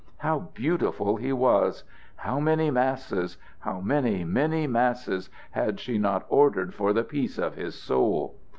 How beautiful he was! How many masses how many, many masses had she not ordered for the peace of his soul!